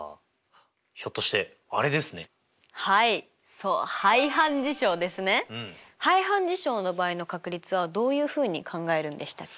そう排反事象の場合の確率はどういうふうに考えるんでしたっけ？